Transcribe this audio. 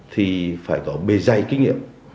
thì phải có bề dày kinh nghiệm